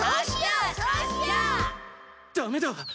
ダメだ！